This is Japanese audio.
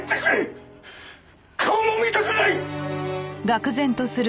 顔も見たくない！